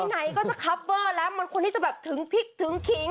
ไหนก็จะคับเวอร์แล้วมันควรที่จะแบบถึงพริกถึงขิง